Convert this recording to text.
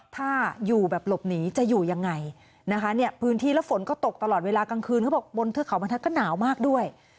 ถ้าอยู่แบบหลบหนีจะอยู่ยังไงนะคะเนี่ยพื้นที่แล้วฝนก็ตกตลอดเวลากลางคืนเขาบอกบนเทือกเขาบรรทัศน์หนาวมากด้วย